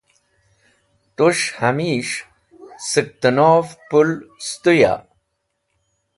Tus̃h hẽmis̃h sẽk tẽnov pũl sẽtũya?